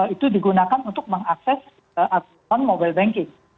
itu digunakan untuk mengakses akun mobile banking